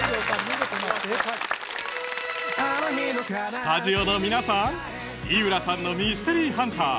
見事な正解スタジオの皆さん井浦さんのミステリーハンター